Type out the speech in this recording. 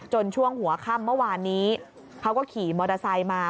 ช่วงหัวค่ำเมื่อวานนี้เขาก็ขี่มอเตอร์ไซค์มา